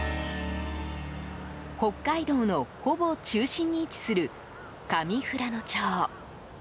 北海道のほぼ中心に位置する上富良野町。